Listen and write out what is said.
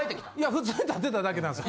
普通に立ってただけなんです。